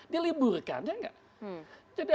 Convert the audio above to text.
diliburkan ya enggak